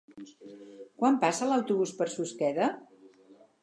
Quan passa l'autobús per Susqueda?